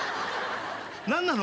何なの？